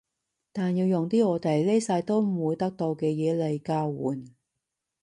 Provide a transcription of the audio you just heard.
但要用啲我哋呢世都唔會得到嘅嘢嚟交換